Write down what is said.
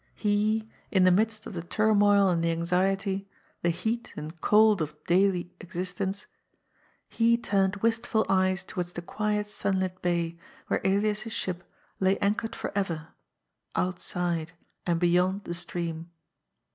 He — in the midst of the turmoil and the anxiety, the heat and cold of daily existence — he turned wistful eyes towards the quiet sunlit bay, where Elias's ship lay anchored for ever — outside, and beyond, the stream.